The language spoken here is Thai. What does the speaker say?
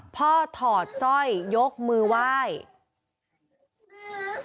พ่อถอดซอยยกมือไหว้